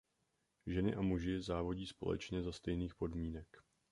Ženy a muži závodí společně za stejných podmínek.